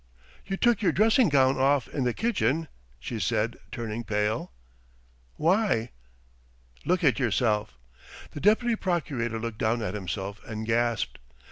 . "You took your dressing gown off in the kitchen?" she said, turning pale. "Why?" "Look at yourself!" The deputy procurator looked down at himself, and gasped.